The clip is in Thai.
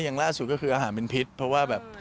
อย่างล่าสุดก็คืออาหารเป็นพิษเพราะว่าแบบ